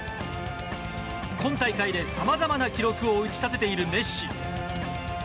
今大会で様々な記録を打ち立てているメッシ。